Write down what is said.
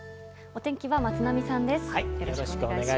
お天気は松並さんです。